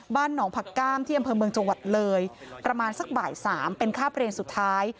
บ้านหนองผักก้ามที่อำเภอเมืองจังหวัดเลยประมาณสักบ่าย๓เป็นค่าเปลี่ยนสุดท้าย